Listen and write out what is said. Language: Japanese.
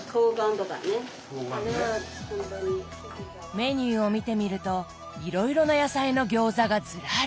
メニューを見てみるといろいろな野菜の餃子がズラリ！